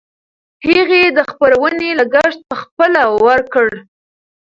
هغې د خپرونې لګښت پخپله ورکړ.